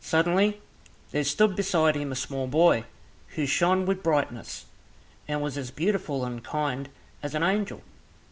Suddenly there stood beside him a small boy who shone with brightness, and was as beautiful and kind as an angel.